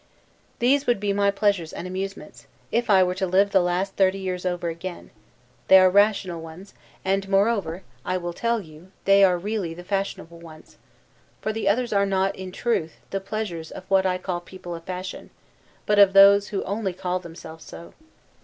These would be my pleasures and amusements, if I were to live the last thirty years over again; they are rational ones; and, moreover, I will tell you, they are really the fashionable ones; for the others are not, in truth, the pleasures of what I call people of fashion, but of those who only call themselves so.